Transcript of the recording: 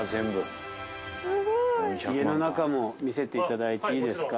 家の中も見せていただいていいですか？